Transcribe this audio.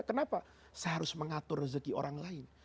kenapa saya harus mengatur rezeki orang lain